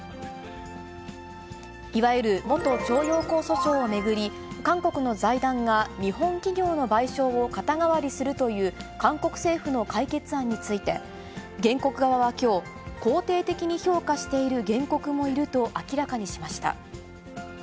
いわゆる元徴用工訴訟を巡り、韓国の財団が日本企業の賠償を肩代わりするという、韓国政府の解決案について、原告側はきょう、肯定的に評価している原告もいると明らかにしました。